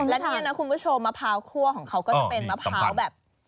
และนี่นะคุณผู้ชมมะพร้าวคั่วของเขาก็จะเป็นมะพร้าวแบบ